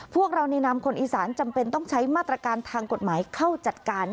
พวกเราในนามคนอีสานจำเป็นต้องใช้มาตรการทางกฎหมายเข้าจัดการ